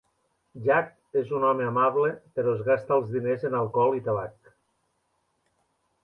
Jack és un home amable, però es gasta els diners en alcohol i tabac.